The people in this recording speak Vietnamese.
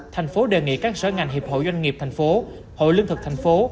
thành phố đề nghị các sở ngành hiệp hội doanh nghiệp thành phố hội lương thực thành phố